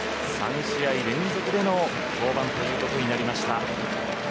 ３試合連続での登板ということになりました。